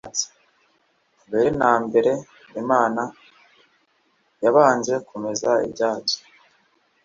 mbere na mbere imana yabanje kumeza ibyatsi